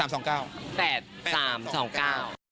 บอกได้สิเอา๓๒๙